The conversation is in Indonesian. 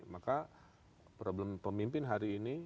maka problem pemimpin hari ini